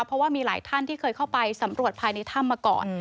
เพราะว่ามีหลายท่านที่เคยเข้าไปสำรวจภายในถ้ำมาก่อน